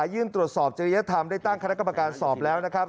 ยื่นตรวจสอบจริยธรรมได้ตั้งคณะกรรมการสอบแล้วนะครับ